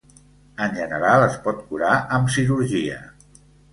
En general, es pot curar amb cirurgia.